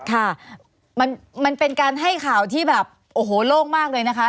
ค่ะมันเป็นการให้ข่าวที่แบบโอ้โหโล่งมากเลยนะคะ